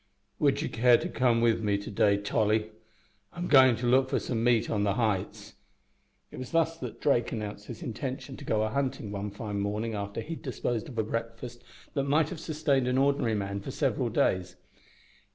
"Would you care to come wi' me to day, Tolly? I'm goin' to look for some meat on the heights." It was thus that Drake announced his intention to go a hunting one fine morning after he had disposed of a breakfast that might have sustained an ordinary man for several days.